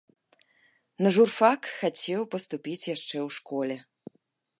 На журфак хацеў паступіць яшчэ ў школе.